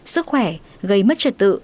sức khỏe gây mất trật tự